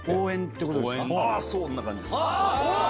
そんな感じっす。